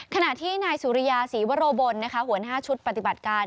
ขณะที่นายสุริยาศรีวโรบลหัวหน้าชุดปฏิบัติการ